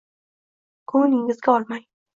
Ko‘nglingizga olmang.